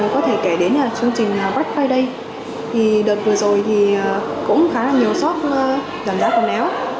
có thể kể đến là chương trình black friday thì đợt vừa rồi thì cũng khá là nhiều shop giảm giá quần áo